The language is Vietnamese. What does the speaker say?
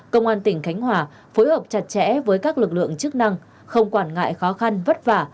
công an tỉnh khánh hòa phối hợp chặt chẽ với các lực lượng chức năng không quản ngại khó khăn vất vả